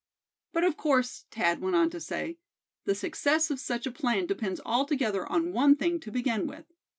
"But of course," Thad went on to say, "the success of such a plan depends altogether on one thing to begin with."